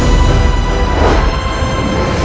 terima kasih tuan